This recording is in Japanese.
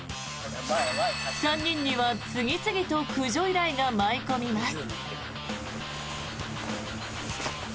３人には次々と駆除依頼が舞い込みます。